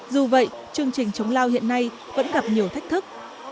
dù vậy chương trình chống lao hiện nay vẫn gặp nhiều thách thức